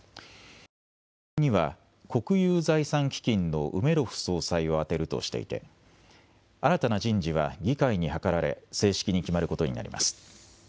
後任には、国有財産基金のウメロフ総裁を充てるとしていて、新たな人事は議会に諮られ、正式に決まることになります。